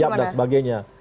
siap dan sebagainya